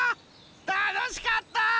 たのしかった！